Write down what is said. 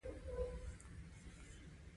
دښته له سکوته ډکه ده.